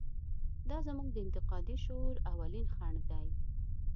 دا زموږ د انتقادي شعور اولین خنډ دی.